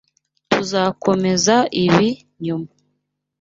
Tuzakomeza ibi nyuma.